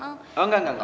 oh enggak enggak enggak